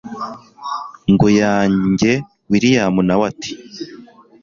ngo yange william nawe ati